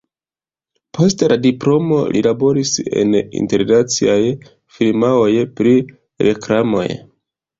Post la diplomo li laboris en internaciaj firmaoj pri reklamoj.